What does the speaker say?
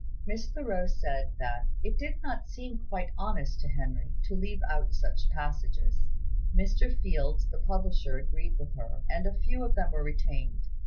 Miss Thoreau said that "it did not seem quite honest to Henry" to leave out such passages; Mr. Fields, the publisher, agreed with her, and a few of them were retained.